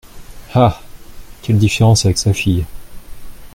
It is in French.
Ah ! quelle différence avec sa fille !